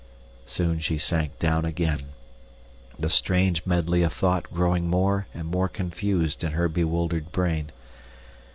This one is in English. Soon she sank down again, the strange medley of thought growing more and more confused in her bewildered brain.